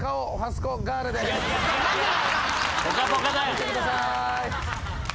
見てください。